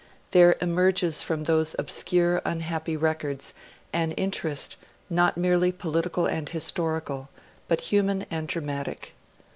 There emerges from those obscure, unhappy records an interest, not merely political and historical, but human and dramatic.